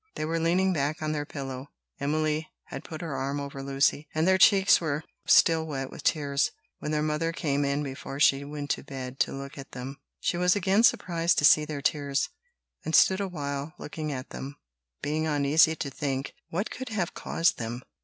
They were leaning back on their pillow; Emily had her arm over Lucy, and their cheeks were still wet with tears, when their mother came in before she went to bed to look at them. She was again surprised to see their tears, and stood a while looking at them, being uneasy to think what could have caused them.